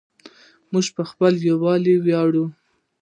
موږ په خپل یووالي ویاړو.